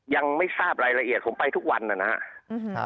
ยังไม่ทราบรายละเอียดผมไปทุกวันนะครับ